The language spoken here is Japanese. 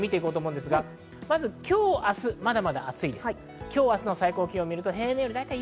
今日、明日はまだまだ暑いです。